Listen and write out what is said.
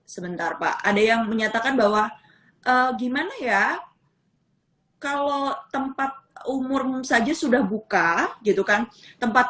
sebentar pak ada yang menyatakan bahwa gimana ya kalau tempat umurmu saja sudah buka gitu kan tempat